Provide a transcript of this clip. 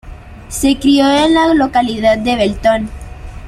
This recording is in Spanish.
Se crio en la localidad de Belton.